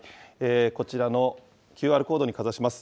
こちらのＱＲコードにかざします。